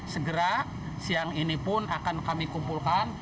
segera siang ini pun akan kami kumpulkan